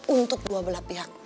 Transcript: untuk dua belah pihak